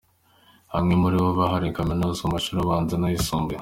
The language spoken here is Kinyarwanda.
Bamwe muri bo barihiriwe Kaminuza, amashuri abanza n’ayisumbuye.